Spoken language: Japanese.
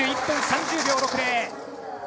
１分３０秒６０。